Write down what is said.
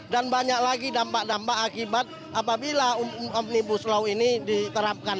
dan banyak lagi dampak dampak akibat apabila omnibus law ini diterapkan